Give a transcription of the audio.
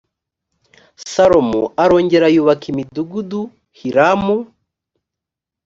salomo arongera yubaka imidugudu hiramu